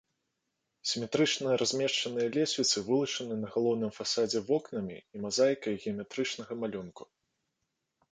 Сіметрычна размешчаныя лесвіцы вылучаны на галоўным фасадзе вокнамі і мазаікай геаметрычнага малюнку.